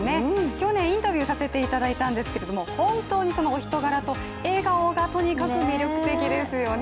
去年、インタビューさせていただいたんですけれども本当にそのお人柄と、笑顔がとにかく魅力的ですよね。